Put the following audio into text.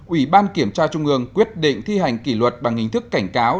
ủy ban kiểm tra trung ương quyết định thi hành kỷ luật bằng hình thức cảnh cáo